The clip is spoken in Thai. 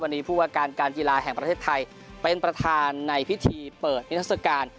วันนี้ผู้ว่าการการกีฬาแห่งประเทศไทยเป็นประธานในพิธีเปิดนิทัศกาล